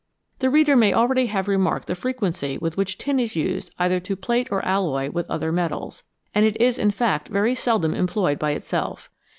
The reader may already have remarked the frequency with which tin is used either to plate or alloy with other metals, and it is in fact very seldom employed by itself.